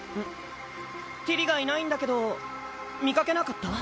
ティリがいないんだけど見かけなかった？